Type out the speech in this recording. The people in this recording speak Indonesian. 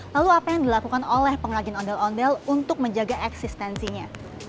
lalu apa yang dilakukan oleh pengrajin ondel ondel untuk menjaga eksistensinya